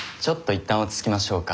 いったん落ち着きましょうか。